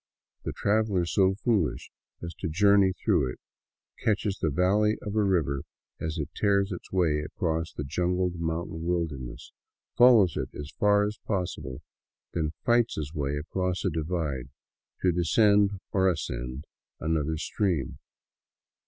The traveler so foolish as to journey through it catches the valley of a river as it tears its way across the jungled mountain wilderness, follows it as far as possible, then fights his way across a divide, to descend or ascend another stream.